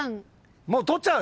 もう取っちゃうよ。